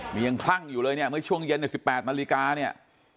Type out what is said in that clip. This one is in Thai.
นี่ยังคลั่งอยู่เลยเนี่ยเมื่อช่วงเย็นใน๑๘นาฬิกาเนี่ย